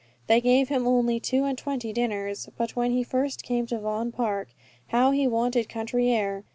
They gave him only two and twenty dinners; but when he first came to Vaughan Park, how he wanted country air!